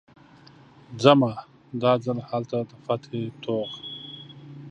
ځمه، دا ځل هلته د فتحې توغ